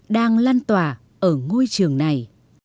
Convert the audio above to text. đang lan tỏa ở ngôi trường này